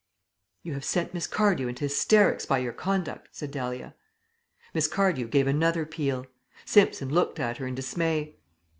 "You have sent Miss Cardew into hysterics by your conduct," said Dahlia. Miss Cardew gave another peal. Simpson looked at her in dismay.